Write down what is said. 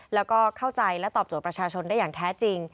แล้วก็เข้าใจและตอบโจทย์ประชาชนได้อย่างแท้จริง